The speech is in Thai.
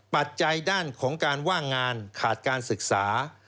ปัจจัยด้านของการว่างงานขาดการศึกษา